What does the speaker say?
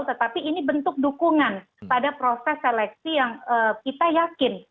tetapi ini bentuk dukungan pada proses seleksi yang kita yakin